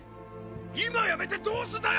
今辞めてどうすんだよ！